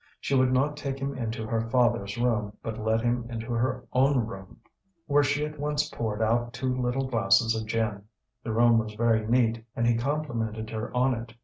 She would not take him into her father's room, but led him into her own room, where she at once poured out two little glasses of gin. The room was very neat and he complimented her on it.